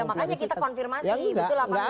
ya makanya kita konfirmasi betul apa enggak